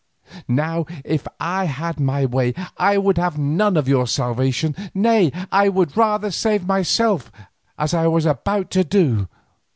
Now, if I had my way, I would have none of your salvation, nay, I would rather save myself as I was about to do."